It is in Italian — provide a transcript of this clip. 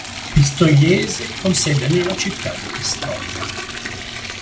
Pistoiese, con sede nella città di Pistoia.